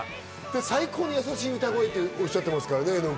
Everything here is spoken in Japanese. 最高に優しい歌声とおっしゃってます。